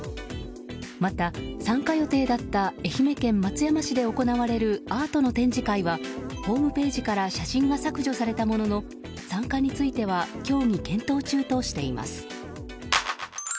また、参加予定だった愛媛県松山市で行われるアートの展示会はホームページから写真が削除されたものの参加については協議検討中としています。